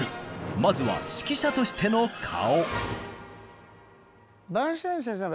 まずは指揮者としての顔。